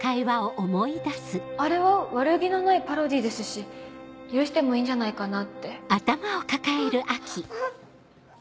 あれは悪気のないパロディーですし許してもいいんじゃないかなってあっあっ。